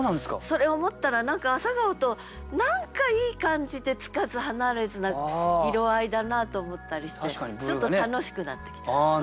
それ思ったら何か朝顔と何かいい感じでつかず離れずな色合いだなと思ったりしてちょっと楽しくなってきた。